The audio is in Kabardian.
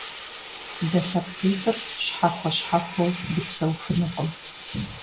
Дэ лъэпкъитӀыр щхьэхуэ-щхьэхуэу дыпсэуфынукъым.